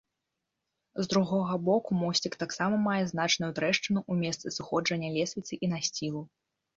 З другога боку мосцік таксама мае значную трэшчыну ў месцы сыходжання лесвіцы і насцілу.